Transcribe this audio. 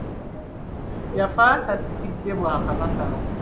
Yafa tasikidde Bwakabaka.